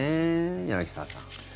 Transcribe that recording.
柳澤さん。